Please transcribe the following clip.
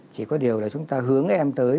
chỉ có điều là chúng ta hướng em tới